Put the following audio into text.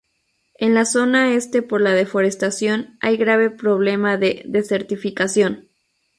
En la zona este por la deforestación hay grave problema de desertificación.